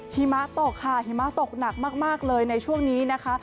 หิมะตกค่ะหิมะตกหนักมากเลยในช่วงนี้นะคะ